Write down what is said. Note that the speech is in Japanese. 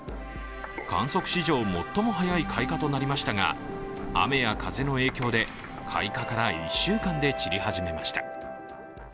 観測史上最も早い開花となりましたが雨や風の影響で開花から１週間で散り始めました。